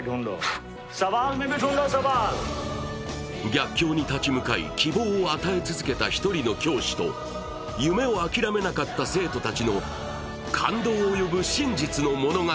逆境に立ち向かい、希望を与え続けた１人の教師と夢を諦めなかった生徒たちの感動を呼ぶ真実の物語。